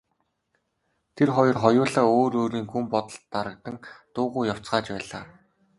Тэр хоёр хоёулаа өөр өөрийн гүн бодолд дарагдан дуугүй явцгааж байлаа.